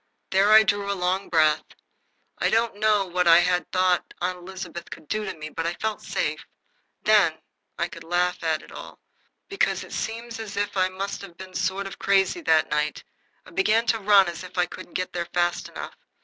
There I drew a long breath. I don't know what I thought Aunt Elizabeth could do to me, but I felt safe. Then I could laugh at it all, because it seems as if I must have been sort of crazy that night I began to run as if I couldn't get there fast enough.